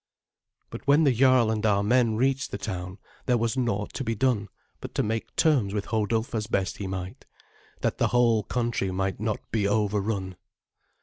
But when the jarl and our men reached the town there was naught to be done but to make terms with Hodulf as best he might, that the whole country might not be overrun.